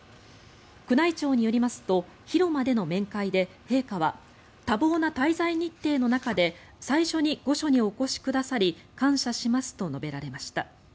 宮内庁によりますと広間での面会で、陛下は多忙な滞在日程の中で最初に御所にお越しくださり感謝しますと述べられました。